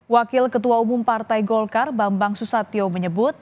wakil ketua umum partai golkar bambang susatyo menyebut